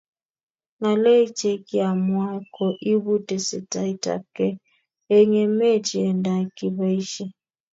Ngalek che kiamua ko ibu testaitab kei eng' emet ye nda kibaishe